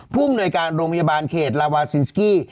ภูมิหน่วยการโรงพยาบาลเขตลาวาซินสกี้